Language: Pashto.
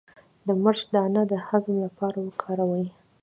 د مرچ دانه د هضم لپاره وکاروئ